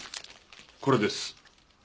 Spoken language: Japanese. これです。